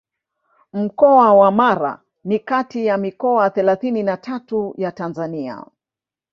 Mkoa wa Mara ni kati ya mikoa thelathini na tatu ya Tanzania